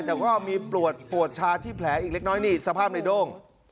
แต่ก็มีปวดปวดชาที่แผลอีกเล็กน้อยนี่สภาพในโด้ง